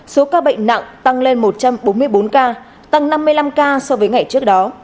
số ca bệnh nặng tăng lên một trăm bốn mươi bốn ca tăng năm mươi năm ca so với ngày trước đó